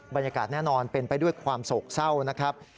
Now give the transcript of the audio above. บรรยากาศแน่นอนเป็นไปด้วยความโศกเศร้านะครับ